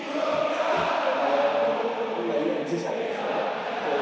いわゆる磁石ですよねこういう。